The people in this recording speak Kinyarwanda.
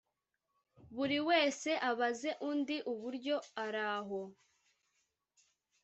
buri wese abaze undi uburyo araho.